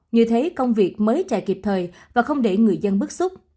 như thế công việc mới chạy kịp thời và không để người dân bức xúc